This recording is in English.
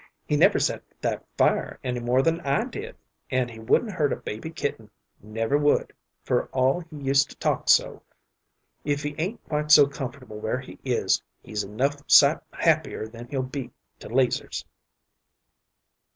He never set that fire any more than I did, and he wouldn't hurt a baby kitten; never would, for all he used to talk so. If he ain't quite so comfortable where he is, he's enough sight happier than he'll be to 'Leazer's."